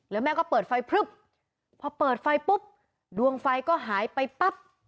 แล้วแม่ก็เปิดไฟพลึบพอเปิดไฟปุ๊บดวงไฟก็หายไปปั๊บ